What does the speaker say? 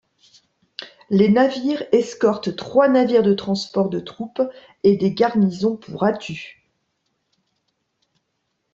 Les navires escortent trois navires de transport de troupes et des garnisons pour Attu.